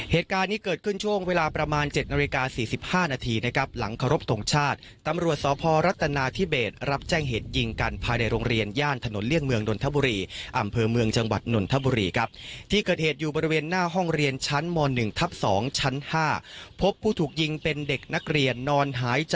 เหตุการณ์นี้เกิดขึ้นช่วงเวลาประมาณ๗นาฬิกา๔๕นาทีนะครับหลังเคารพทงชาติตำรวจสพรัฐนาธิเบสรับแจ้งเหตุยิงกันภายในโรงเรียนย่านถนนเลี่ยงเมืองนนทบุรีอำเภอเมืองจังหวัดนนทบุรีครับที่เกิดเหตุอยู่บริเวณหน้าห้องเรียนชั้นม๑ทับ๒ชั้น๕พบผู้ถูกยิงเป็นเด็กนักเรียนนอนหายจ